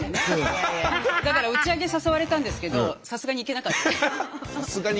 だから打ち上げ誘われたんですけどさすがに行けなかったです。